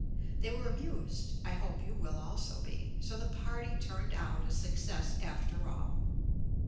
They were amused (I hope you will also be) so the party turned out a success after all.